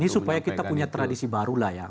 ini supaya kita punya tradisi baru lah ya